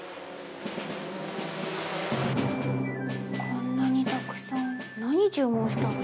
こんなにたくさん何注文したの？